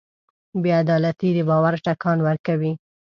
بېعدالتي د باور ټکان ورکوي.